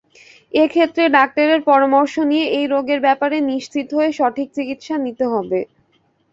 এক্ষেত্রে ডাক্তারের পরামর্শ নিয়ে এই রোগের ব্যাপারে নিশ্চিত হয়ে সঠিক চিকিৎসা নিতে হবে।